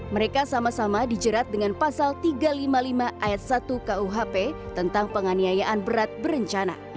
mereka sama sama dijerat dengan pasal tiga ratus lima puluh lima ayat satu kuhp tentang penganiayaan berat berencana